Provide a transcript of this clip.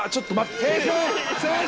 先生！